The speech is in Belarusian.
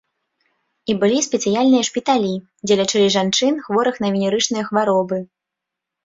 І былі спецыяльныя шпіталі, дзе лячылі жанчын, хворых на венерычныя хваробы.